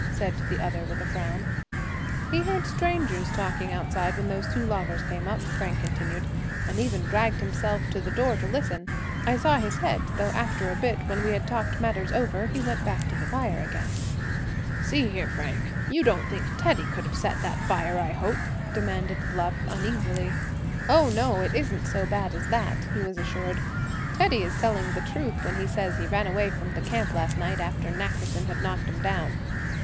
said the other, with a frown. "He heard strangers talking outside when those two loggers came up," Frank continued, "and even dragged himself to the door to listen. I saw his head, though after a bit, when we had talked matters over, he went back to the fire again." "See here, Frank, you don't think Teddy could have set that fire, I hope?" demanded Bluff, uneasily. "Oh! no, it isn't so bad as that," he was assured. "Teddy is telling us the truth when he says he ran away from the camp last night, after Nackerson had knocked him down."